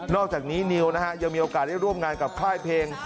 อกจากนี้นิวนะฮะยังมีโอกาสได้ร่วมงานกับค่ายเพลง